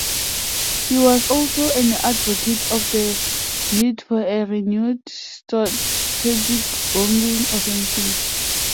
He was also an advocate of the need for a renewed strategic bombing offensive.